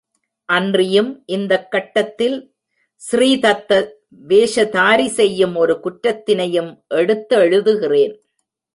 அன்றியும் இந்தக் கட்டத்தில், ஸ்ரீதத்த வேஷதாரி செய்யும் ஒரு குற்றத்தினையும் எடுத்தெழுதுகிறேன்.